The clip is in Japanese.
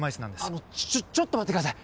あのちょっと待ってください